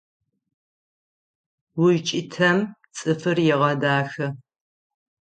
УкӀытэм цӀыфыр егъэдахэ.